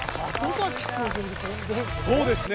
そうですね。